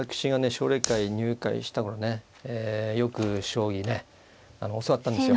奨励会入会した頃ねえよく将棋ね教わったんですよ。